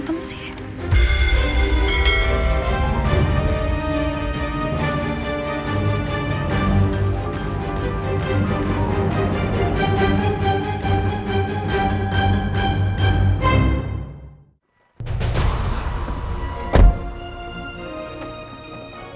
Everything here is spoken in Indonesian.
bukan mereka berantem sih